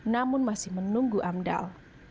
namun masih menunggu amdal